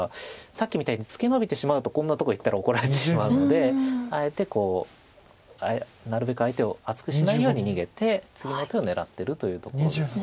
さっきみたいにツケノビてしまうとこんなところいったら怒られてしまうのであえてなるべく相手を厚くしないように逃げて次の手を狙ってるというところです。